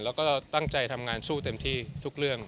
แล้วก็เราตั้งใจทำงานสู้เต็มที่ทุกเรื่อง